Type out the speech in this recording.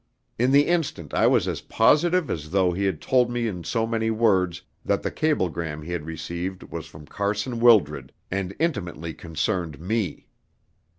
In the instant I was as positive as though he had told me in so many words that the cablegram he had received was from Carson Wildred, and intimately concerned me.